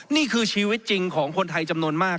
นี่คือชีวิตจริงของคนไทยจำนวนมาก